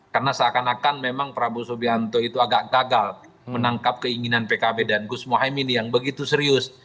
karena seakan akan memang prabowo subianto itu agak gagal menangkap keinginan pkb dan gus mohaimi yang begitu serius